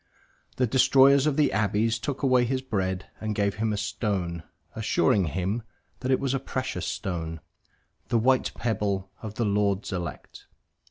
The destroyers of the abbeys took away his bread and gave him a stone, assuring him that it was a precious stone, the white pebble of the Lord's elect.